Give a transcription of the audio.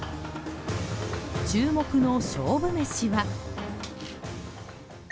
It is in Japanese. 注目の勝負メシは。